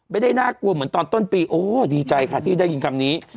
ไม่ได้น่ากลัวเหมือนตอนต้นปีโอ้ดีใจค่ะที่ได้ยินคำนี้